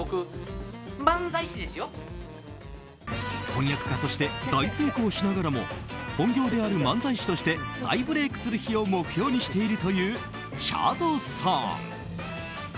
翻訳家として大成功しながらも本業である漫才師として再ブレークする日を目標にしているというチャドさん。